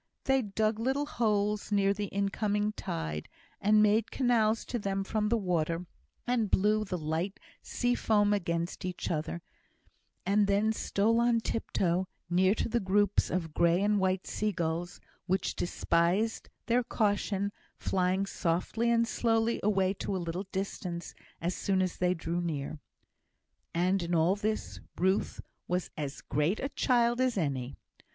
They dug little holes near the in coming tide, and made canals to them from the water, and blew the light sea foam against each other; and then stole on tiptoe near to the groups of grey and white sea gulls, which despised their caution, flying softly and slowly away to a little distance as soon as they drew near. And in all this Ruth was as great a child as any.